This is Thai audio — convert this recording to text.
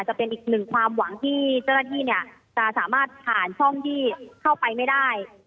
จะเป็นอีกหนึ่งความหวังที่เจ้าหน้าที่จะสามารถผ่านช่องที่เข้าไปไม่ได้